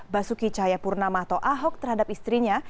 basuki cahayapurnama atau ahok terhadap istrinya